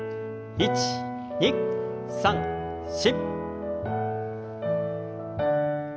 １２３４。